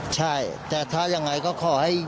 ใช่แต่ถ้ายังไงก็ขอให้